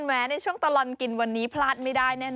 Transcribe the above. กินไหมในช่วงตลอดกินวันนี้พลาดไม่ได้แน่หน่อย